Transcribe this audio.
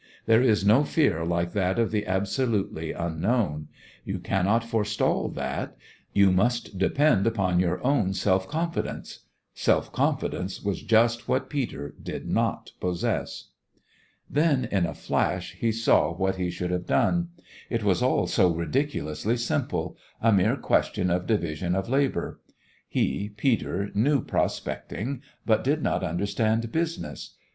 There is no fear like that of the absolutely unknown. You cannot forestall that; you must depend upon your own self confidence. Self confidence was just what Peter did not possess. Then in a flash he saw what he should have done. It was all so ridiculously simple a mere question of division of labour. He, Peter, knew prospecting, but did not understand business.